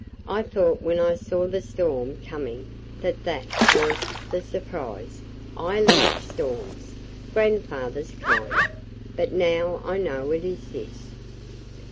I thought when I saw the storm coming that that was the surprise I love storms, grandfather's kind but now I know it is this."